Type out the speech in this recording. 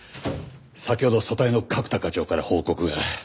先ほど組対の角田課長から報告が。